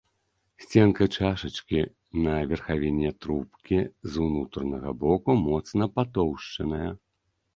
Сценка чашачкі, на верхавіне трубкі з унутранага боку моцна патоўшчаная.